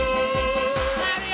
まわるよ！